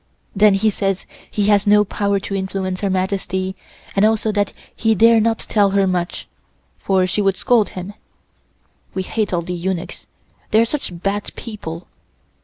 Then he says he has no power to influence Her Majesty, and also that he dare not tell her much, for she would scold him. We hate all the eunuchs, they are such bad people.